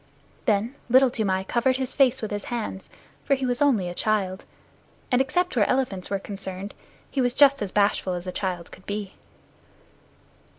Then Little Toomai covered his face with his hands, for he was only a child, and except where elephants were concerned, he was just as bashful as a child could be.